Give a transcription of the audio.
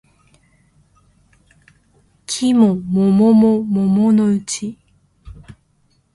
季も桃も桃のうち